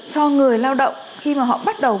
cho người lao động khi mà họ bắt đầu